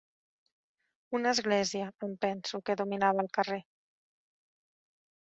Una església, em penso, que dominava el carrer